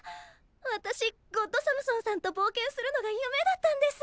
私ゴッドサムソンさんとぼうけんするのが夢だったんです！